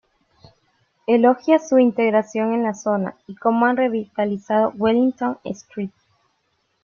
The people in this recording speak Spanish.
Elogia su integración en la zona, y cómo han revitalizado Wellington Street.